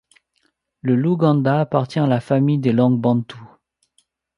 Le luganda appartient à la famille des langues bantoues.